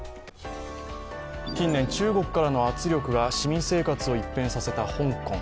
近年、中国からの圧力が市民生活を一変させた香港。